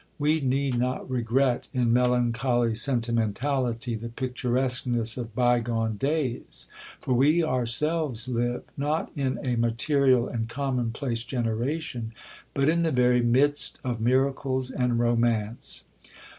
We need not regret in melancholy sentimentality the picturesqueness of bygone days, for we ourselves live, not in a material and commonplace generation, but in the very midst of miracles and romance.